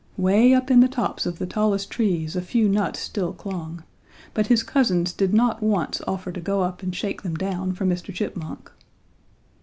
Way up in the tops of the tallest trees a few nuts still clung, but his cousins did not once offer to go up and shake them down for Mr. Chipmunk.